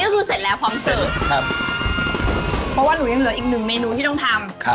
เพราะว่าหนูยังเหลืออีกหนึ่งเมนูที่ต้องทำ